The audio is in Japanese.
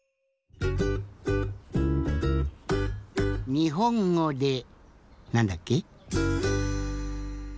にほんごでなんだっけ？